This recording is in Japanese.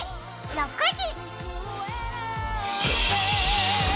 ６時！